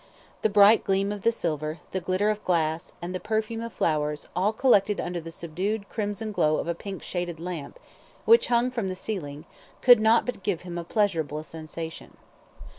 The bright gleam of the silver, the glitter of glass, and the perfume of flowers, all collected under the subdued crimson glow of a pink shaded lamp, which hung from the ceiling, could not but give him a pleasurable sensation.